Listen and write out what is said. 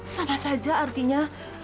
sama saja artinya